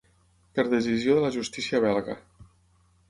Per decisió de la justícia belga.